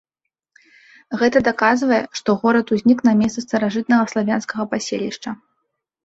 Гэта даказвае, што горад узнік на месцы старажытнага славянскага паселішча.